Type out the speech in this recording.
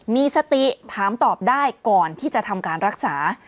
มีสติถามตอบได้ก่อนที่จะทำการรักษา